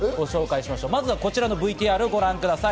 まずはこちらのＶＴＲをご覧ください。